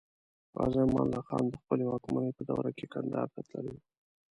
غازي امان الله خان د خپلې واکمنۍ په دوره کې کندهار ته تللی و.